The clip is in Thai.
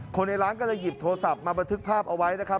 ในร้านก็เลยหยิบโทรศัพท์มาบันทึกภาพเอาไว้นะครับ